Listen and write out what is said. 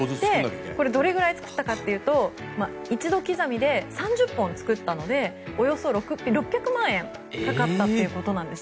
どれぐらい作ったかというと１度刻みで３０本作ったのでおよそ６００万円かかったということです。